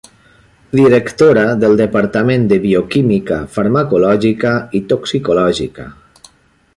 Directora del Departament de Bioquímica Farmacològica i Toxicològica.